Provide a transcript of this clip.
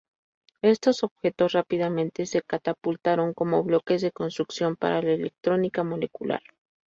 Estos objetos rápidamente se catapultaron como bloques de construcción para la electrónica molecular.